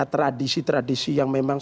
tradisi tradisi yang memang